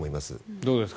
どうですか？